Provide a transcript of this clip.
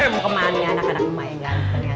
dong kalo gitu lu aja sholat disini